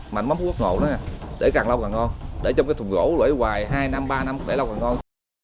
mảnh mắm phú quốc ngộ đó nè để càng lâu càng ngon để trong cái thùng gỗ luẩy hoài hai năm ba năm để lâu càng ngon